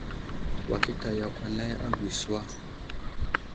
Wakita yakw anay agwi suwa.